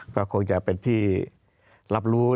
ก็คงจะเป็นที่รับรู้